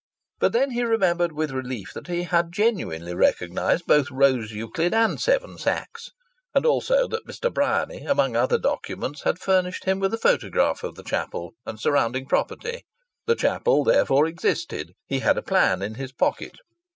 But then he remembered with relief that he had genuinely recognized both Rose Euclid and Seven Sachs; and also that Mr. Bryany, among other documents, had furnished him with a photograph of the Chapel and surrounding property. The Chapel therefore existed. He had a plan in his pocket.